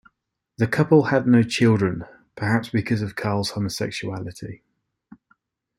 The couple had no children, perhaps because of Karl's homosexuality.